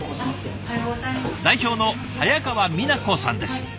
代表の早川美奈子さんです。